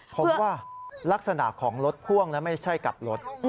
เพราะว่ารักษณะของรถพ่วงแล้วไม่ใช่กลับรถ